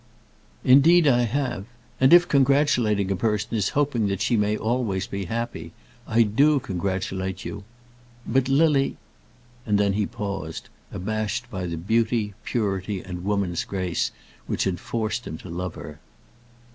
"Indeed I have. And if congratulating a person is hoping that she may always be happy, I do congratulate you. But, Lily " And then he paused, abashed by the beauty, purity, and woman's grace which had forced him to love her.